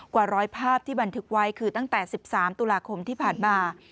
กว่าร้อยภาพที่บันทึกไว้คือตั้งแต่๑๓ตุลาคมที่ผ่านมา